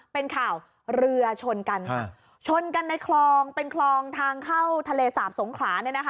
เป็นข่าวเรือชนกันค่ะชนกันในคลองเป็นคลองทางเข้าทะเลสาบสงขลาเนี่ยนะคะ